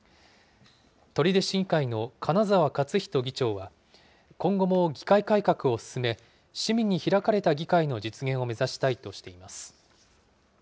取手市議会の金澤克仁議長は、今後も議会改革を進め、市民に開かれた議会の実現を目指したいとしています。